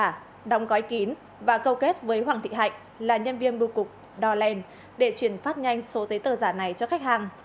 giấy tờ giả đóng gói kín và câu kết với hoàng thị hạnh là nhân viên bưu cục đò lèn để truyền phát nhanh số giấy tờ giả này cho khách hàng